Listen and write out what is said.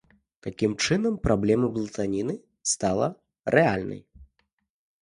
Такім чынам, праблема блытаніны стала рэальнай.